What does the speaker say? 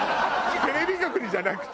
テレビ局にじゃなくて。